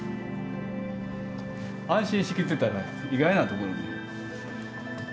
安心しきってたら意外なところに。